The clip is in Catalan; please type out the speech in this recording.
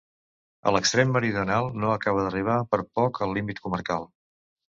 A l'extrem meridional no acaba d'arribar per poc al límit comarcal.